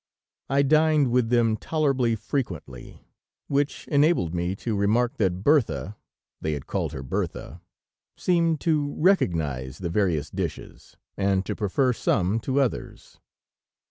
I dined with them tolerably frequently, which enabled me to remark that Bertha (they had called her Bertha), seemed to recognize the various dishes, and to prefer some to others.